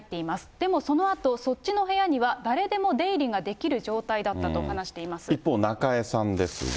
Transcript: でもそのあとそっちの部屋には、誰でも出入りができる状態だった一方、中江さんですが。